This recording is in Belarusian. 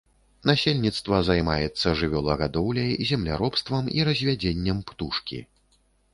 Насельніцтва займаецца жывёлагадоўляй, земляробствам і развядзеннем птушкі.